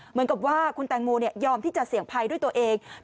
เหมือนกับว่าคุณแตงโมยอมที่จะเสี่ยงภัยด้วยตัวเอง